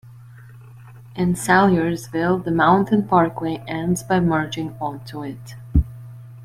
In Salyersville, the Mountain Parkway ends by merging onto it.